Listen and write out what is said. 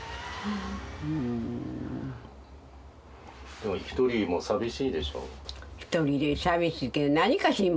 でも一人も寂しいでしょ。